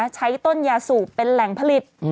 ใช้ต้นยาสูบเป็นแหล่งผลิต